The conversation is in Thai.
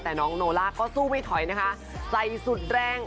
แต่น้องโนล่าก็สู้ไม่ถอยนะคะใส่สุดแรง